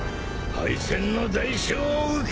敗戦の代償を受け入れろ！